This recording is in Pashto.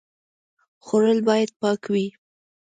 خوړل باید پاک وي